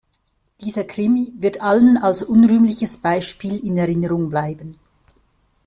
Dieser Krimi wird allen als unrühmliches Beispiel in Erinnerung bleiben.